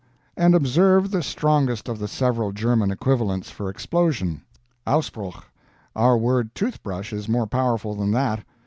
And observe the strongest of the several German equivalents for explosion AUSBRUCH. Our word Toothbrush is more powerful than that.